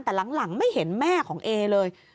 แต่หลังไม่เห็นแม่ของเอเลย